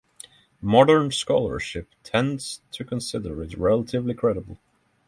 Modern scholarship tends to consider it relatively credible.